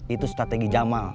itu strategi jama